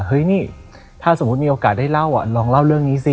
เฮ้ยนี่ถ้าสมมุติมีโอกาสได้เล่าอ่ะลองเล่าเรื่องนี้สิ